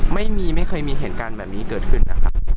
ไม่เคยมีเหตุการณ์แบบนี้เกิดขึ้นนะครับ